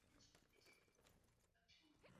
自此第三股势力登场。